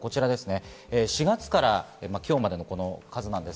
４月から今日までの数です。